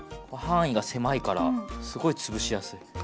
範囲が狭いからすごい潰しやすい。